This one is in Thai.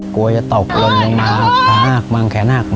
กลัวจะตกเลยนะแขนาคมัง